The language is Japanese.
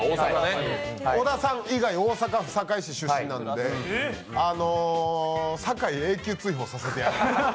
小田さん以外、大阪府堺市出身なんで、堺永久追放させてやる。